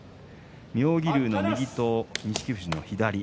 妙義龍の右と錦富士の左。